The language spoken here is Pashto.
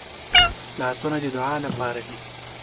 لاسونه د دعا لپاره دي